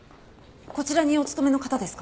こちらにお勤めの方ですか？